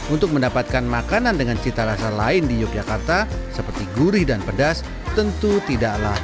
untuk mendapatkan makanan dengan cita rasa lain di yogyakarta seperti gurih dan pedas tentu tidaklah